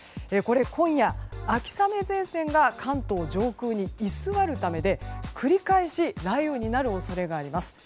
今夜、秋雨前線が関東上空に居座るためで繰り返し雷雨になる恐れがあります。